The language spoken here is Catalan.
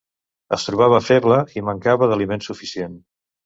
Es trobava feble i mancava d'aliment suficient.